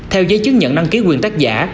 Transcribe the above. theo giấy chứng nhận đăng ký quyền tác giả